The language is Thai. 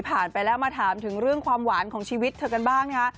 ไปแล้วมาถามถึงเรื่องความหวานของชีวิตเธอกันบ้างนะคะ